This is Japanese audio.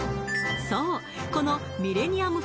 そうこのミレニアム・